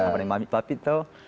sama mami papi tuh